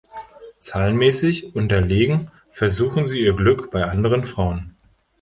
Zahlenmäßig unterlegen versuchen sie ihr Glück bei anderen Frauen.